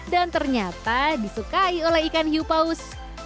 dan ternyata disukai oleh ikan hiupaus